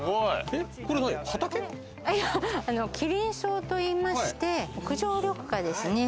畑？キリンソウといいまして屋上緑化ですね。